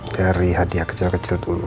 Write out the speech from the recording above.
dari hadiah kecil kecil dulu